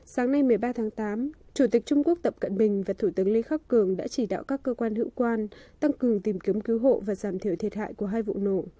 sáng nay một mươi ba tháng tám chủ tịch trung quốc tập cận bình và thủ tướng lý khắc cường đã chỉ đạo các cơ quan hữu quan tăng cường tìm kiếm cứu hộ và giảm thiểu thiệt hại của hai vụ nổ